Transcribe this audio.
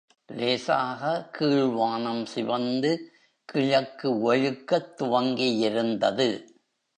லேசாக கீழ்வானம் சிவந்து கிழக்கு வெழுக்கத் துவங்கியிருந்தது.